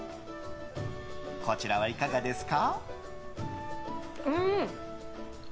こちらは、いかがですか？